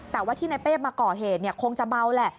แต่ว่าที่ในเป้มาก่อเหตุคงจะเบาแหละ